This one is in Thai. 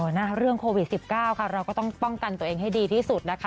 เรื่องโควิด๑๙ค่ะเราก็ต้องป้องกันตัวเองให้ดีที่สุดนะคะ